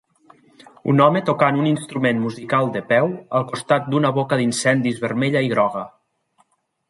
Un home tocant un instrument musical de peu al costat d'una boca d'incendis vermella i groga.